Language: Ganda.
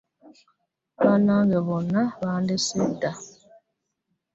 Bannange bonna bandese dda.